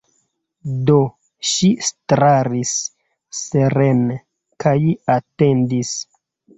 Do, ŝi staris serene, kaj atendis.